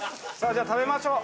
じゃあ食べましょう。